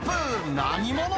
何者？